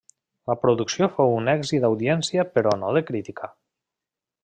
La producció fou un èxit d'audiència però no de crítica.